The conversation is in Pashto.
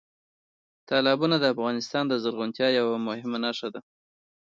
تالابونه د افغانستان د زرغونتیا یوه مهمه نښه ده.